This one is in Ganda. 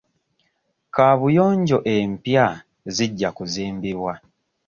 Kabuyonjo empya zijja kuzimbibwa.